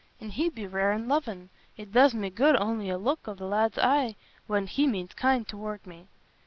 And he'd be rare an' lovin': it does me good on'y a look o' the lad's eye when he means kind tow'rt me."